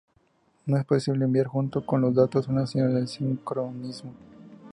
No es posible enviar junto con los datos una señal de sincronismo.